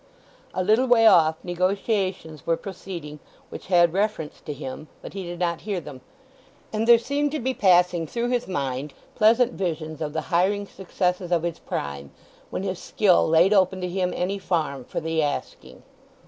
A little way off negotiations were proceeding which had reference to him; but he did not hear them, and there seemed to be passing through his mind pleasant visions of the hiring successes of his prime, when his skill laid open to him any farm for the asking.